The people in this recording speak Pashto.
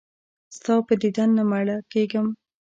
ستا په دیدن نه مړه کېږم.